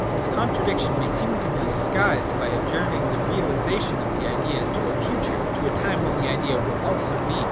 This contradiction may seem to be disguised by adjourning the realisation of the Idea to a future, to a time when the Idea will also be.